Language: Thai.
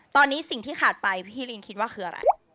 ตอนนี้สิ่งที่ขาดไปพี่ลิงคิดว่าคืออะไร